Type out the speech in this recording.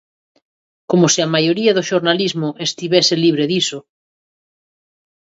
Como se o a maioría do xornalismo estivese libre diso.